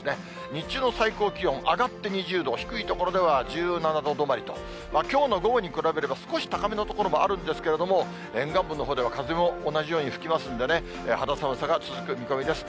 日中の最高気温、上がって２０度、低い所では１７度止まりと、きょうの午後に比べれば、少し高めの所もあるんですけれども、沿岸部のほうでは風も同じように吹きますんでね、肌寒さが続く見込みです。